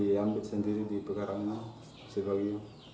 dan diambil sendiri di pekarangan